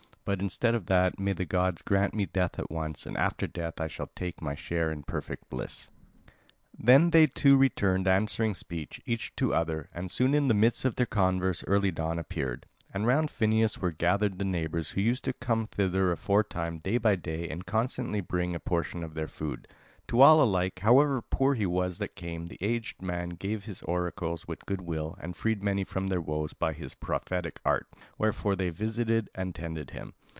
But instead of that, may the god grant me death at once, and after death I shall take my share in perfect bliss." Then they two returned answering speech, each to other, and soon in the midst of their converse early dawn appeared; and round Phineus were gathered the neighbours who used to come thither aforetime day by day and constantly bring a portion of their food. To all alike, however poor he was that came, the aged man gave his oracles with good will, and freed many from their woes by his prophetic art; wherefore they visited and tended him.